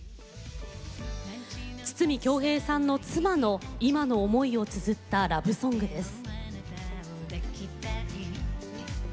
筒美京平さんの妻の今の思いをつづったラブソングです。